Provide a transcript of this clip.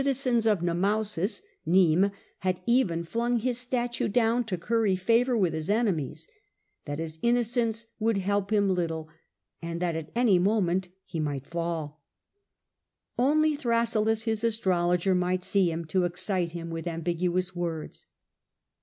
14 37 TiOerius 45 zcns of Nemausus (Nismes) had even flung his statue down to curry favour with his enemies, that his innocence would help him little, and that at any moment he might fall. Only Thrasyllus, his astrologer, might see him, to excite him with ambiguous words.